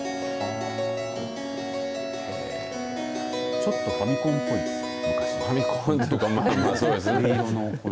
ちょっとファミコンっぽいですね。